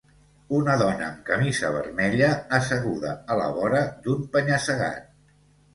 Una dona amb camisa vermella asseguda a la vora d'un penya-segat.